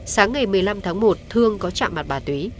sáng ngày một mươi năm tháng một thương có trạm mặt bà túy